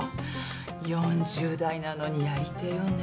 ４０代なのにやり手よね。